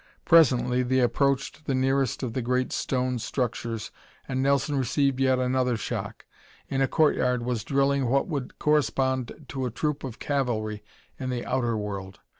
Presently they approached the nearest of the great stone structures and Nelson received yet another shock. In a courtyard was drilling what would correspond to a troop of cavalry in the outer world.